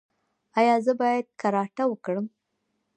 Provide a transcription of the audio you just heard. ایا زه باید کراټه وکړم؟